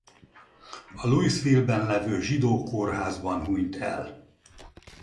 A Louisville-ben levő Zsidó Kórházban hunyt el.